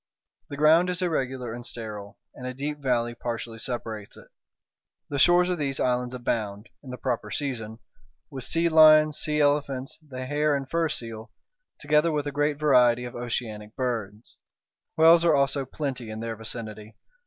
The ground is irregular and sterile, and a deep valley partially separates it. The shores of these islands abound, in the proper season, with sea lions, sea elephants, the hair and fur seal, together with a great variety of oceanic birds. Whales are also plenty in their vicinity.